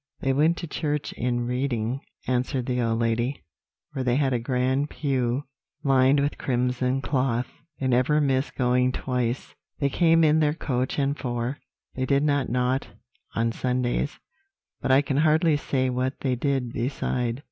"They went to church in Reading," answered the old lady; "where they had a grand pew lined with crimson cloth. They never missed going twice; they came in their coach and four; they did not knot on Sundays, but I can hardly say what they did beside."